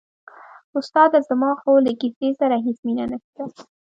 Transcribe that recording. استاده زما خو له کیسې سره هېڅ مینه نشته.